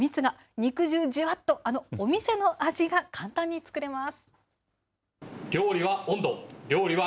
肉汁じゅわっと、あのお店の味が簡単に作れます。